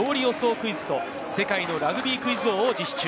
クイズと、世界のラグビークイズ王を実施中。